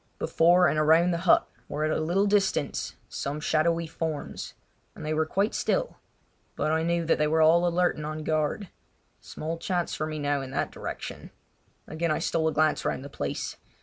Before and around the hut were at a little distance some shadowy forms; they were quite still, but I knew that they were all alert and on guard. Small chance for me now in that direction. Again I stole a glance round the place.